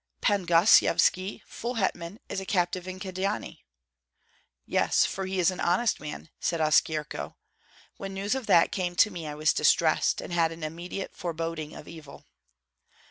"Pan Gosyevski, full hetman, is a captive in Kyedani." "Yes, for he is an honest man," said Oskyerko. "When news of that came to me, I was distressed, and had an immediate foreboding of evil."